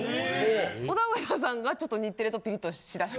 オダウエダさんがちょっと日テレとピリッとしだした。